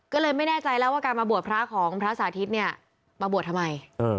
ก็เลยไม่แน่ใจแล้วว่าการมาบวชพระของพระสาธิตเนี่ยมาบวชทำไม